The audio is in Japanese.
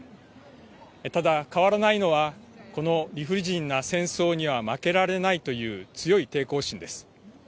ただ変わらないのはこの理不尽な戦争には負けられないという強い抵抗心です。